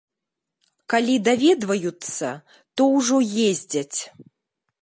Калі даведваюцца, то ўжо ездзяць.